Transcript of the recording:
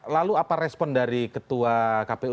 lalu apa respon dari ketua kpu